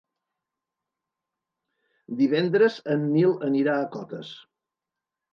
Divendres en Nil anirà a Cotes.